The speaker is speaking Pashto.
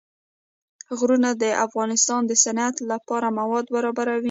غرونه د افغانستان د صنعت لپاره مواد برابروي.